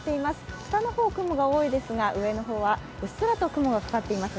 下の方、雲が多いですが、上の方はうっすらと雲がかかっています。